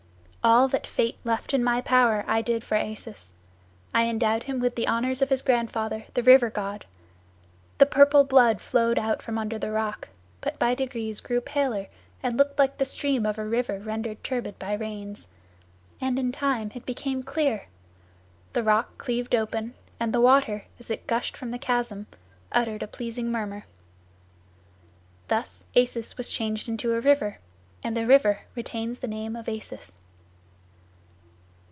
"All that fate left in my power I did for Acis. I endowed him with the honors of his grandfather, the river god. The purple blood flowed out from under the rock, but by degrees grew paler and looked like the stream of a river rendered turbid by rains, and in time it became clear. The rock cleaved open, and the water, as it gushed from the chasm, uttered a pleasing murmur." Thus Acis was changed into a river, and the river retains the name of Acis.